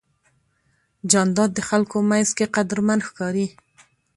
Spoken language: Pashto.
جانداد د خلکو منځ کې قدرمن ښکاري.